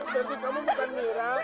tapi kamu bukan mira